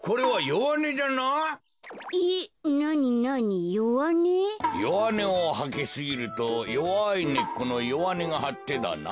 弱音をはきすぎると弱い根っこの弱根がはってだな。